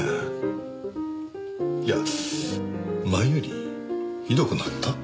いや前よりひどくなった？